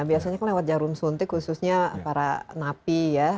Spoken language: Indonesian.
biasanya kan lewat jarum suntik khususnya para napi ya